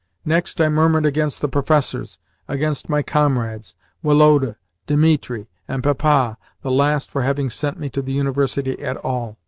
Next, I murmured against the professors, against my comrades, Woloda, Dimitri, and Papa (the last for having sent me to the University at all).